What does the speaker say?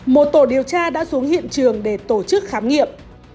một tổ điều tra đã xuống hiện trường để tổ chức khám nghiệm